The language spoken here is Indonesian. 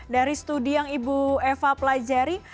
dari studi yang ibu eva pelajari